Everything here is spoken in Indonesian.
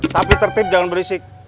tapi tertib jangan berisik